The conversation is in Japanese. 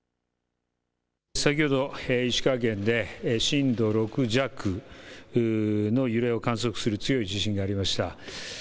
先ほど石川県で震度６弱の揺れを観測する強い地震がありました。